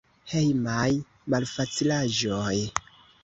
Hejmaj malfacilaĵoj.